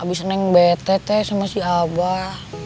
abis neng bete teh sama si abah